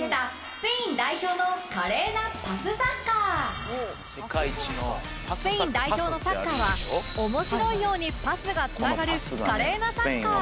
スペイン代表のサッカーは面白いようにパスがつながる華麗なサッカー